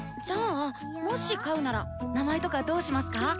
じゃあもし飼うなら名前とかどうしますか？